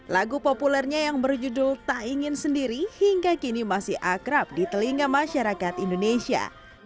lagu populernya yang berjudul tak ingin sendiri hingga kini masih akrab di telinga masyarakat indonesia